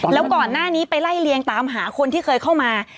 แล้วก่อนหน้านี้ไปไล่เลียงตามหาคนที่เคยเข้ามา